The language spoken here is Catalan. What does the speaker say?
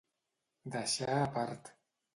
Deixar a part.